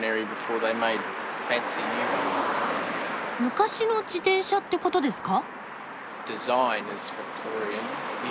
昔の自転車ってことですか？